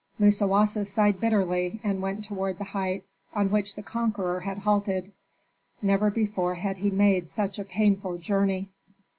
Musawasa sighed bitterly and went toward the height on which the conqueror had halted. Never before had he made such a painful journey.